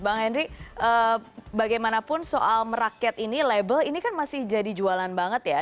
bang henry bagaimanapun soal merakyat ini label ini kan masih jadi jualan banget ya